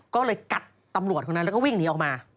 ก็เลยกัดตำรวจคนนั้นแล้วก็วิ่งหนีออกมา